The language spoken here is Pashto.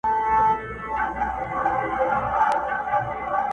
ورځ په خلوت کي تېروي چي تیاره وغوړېږي!